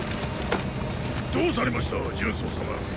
⁉どうされました荀早様。